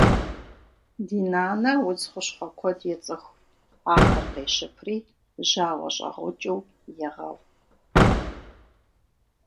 Ди нанэ удз хущхъуэ куэд ецӀыху. Ахэр къещыпри жьауэщӀэгъукӀыу егъэгъу.